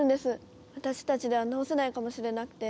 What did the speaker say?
私たちでは直せないかもしれなくて。